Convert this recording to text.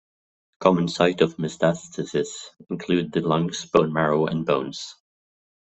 Common site of metastasis include the lungs, bone marrow, and bones.